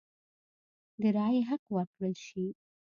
د رایې حق ورکړل شي.